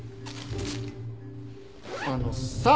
あのさ！